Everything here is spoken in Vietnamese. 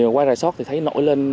qua rải sót thì thấy nổi lên